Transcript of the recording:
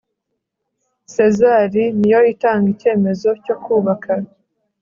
SEZAR niyo itanga icyemezo cyo kubaka